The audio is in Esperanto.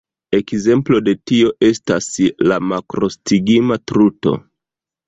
Ekzemplo de tio estas la makrostigma truto.